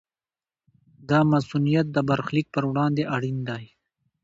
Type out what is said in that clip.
دا مصونیت د برخلیک پر وړاندې اړین دی.